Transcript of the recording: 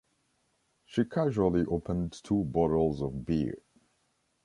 She casually opened two bottles of beer.